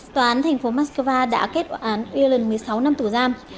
tòa án thành phố moscow đã kết quả án eon một mươi sáu năm tù giam